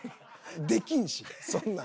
できんしそんなん。